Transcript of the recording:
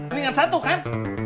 ini kan satu kan